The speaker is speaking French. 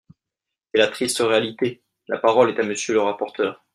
C’est la triste réalité ! La parole est à Monsieur le rapporteur.